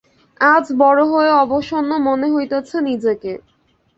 আজ বড় অবসন্ন মনে হইতেছে নিজেকে।